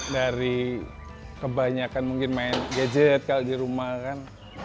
dari kebanyakan mungkin main gadget kalau di rumah kan